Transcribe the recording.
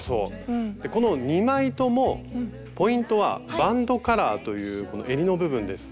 でこの２枚ともポイントは「バンドカラー」というこのえりの部分です。